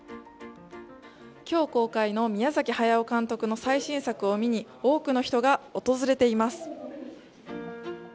今日公開の宮崎駿監督の最新作を見に多くの人が訪れています。